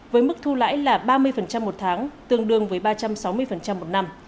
với mức thu lãi là ba mươi một tháng tương đương với ba trăm sáu mươi một năm